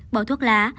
bảy bỏ thuốc lá